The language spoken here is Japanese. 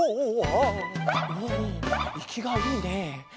おおあいきがいいね。